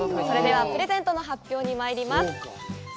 それではプレゼントの発表にまいります。